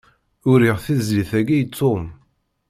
Uriɣ tizlit-agi i Tom.